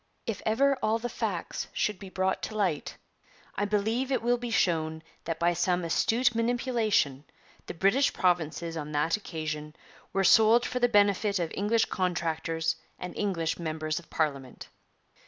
'If ever all the facts should be brought to light, I believe it will be shown that by some astute manipulation the British provinces on that occasion were sold for the benefit of English contractors and English members of Parliament.'